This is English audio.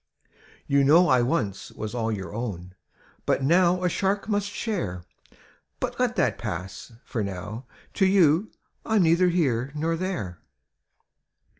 "You know I once was all your own. But now a shark must share! But let that pass — ^for now to you I'm neither here nor there.